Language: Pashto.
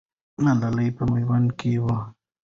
ملالۍ په میوند کې وه.